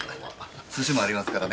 寿司もありますからね。